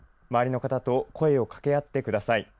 周りの方と声を掛け合ってください。